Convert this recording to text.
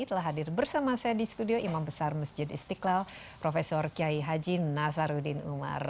telah hadir bersama saya di studio imam besar masjid istiqlal prof kiai haji nasaruddin umar